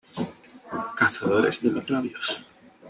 Cazadores de microbios.